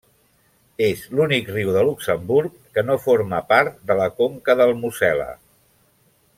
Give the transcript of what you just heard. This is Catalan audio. És l'únic riu de Luxemburg que no forma part de la conca del Mosel·la.